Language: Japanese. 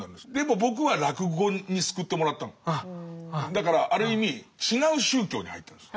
だからある意味違う宗教に入ったんです。